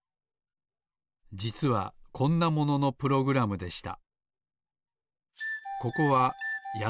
じつはこんなもののプログラムでした。